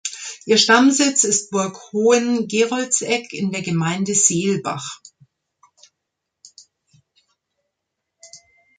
Ihr Stammsitz ist Burg Hohengeroldseck in der Gemeinde Seelbach.